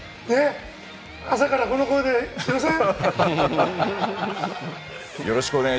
朝からこの声で、すみません。